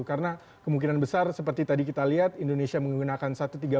karena kemungkinan besar seperti tadi kita lihat indonesia menggunakan satu tiga empat tiga